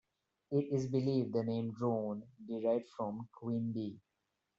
It is believed the name "drone" derived from "Queen Bee".